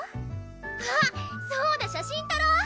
あっそうだ写真とろう！